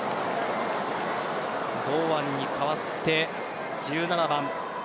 堂安に代わって１７番。